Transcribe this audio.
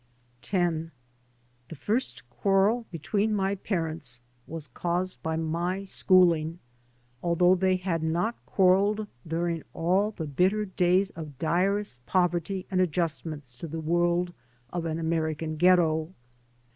[8i] i D.D.t.zea by Google CHAPTER X THE 6rst quarrel between my parents was caused by my schooling, although they had not quarrelled during all the bitter days o£ direst poverty and adjustment to the world of an American ghetto.